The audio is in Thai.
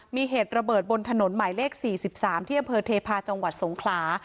มีเหตุระเบิดบนถนนหมายเลข๔๓ที่อำเภอเทพาะจังหวัดสงขลา